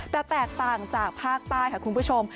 แต่แตกต่างจากภาคใต้ค่ะคุณผู้ชม